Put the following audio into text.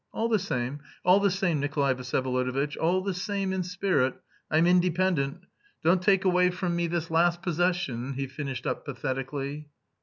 All the same, all the same, Nikolay Vsyevolodovitch, all the same, in spirit, I'm independent! Don't take away from me this last possession!" he finished up pathetically.